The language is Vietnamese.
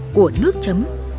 của nước chấm